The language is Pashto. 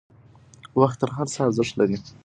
وخت تر هر څه ارزښتمن دی.